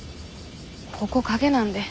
ここ陰なんで。